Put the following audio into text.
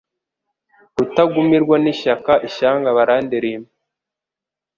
Rutagumirwa n'ishyaka ishyanga barandilimba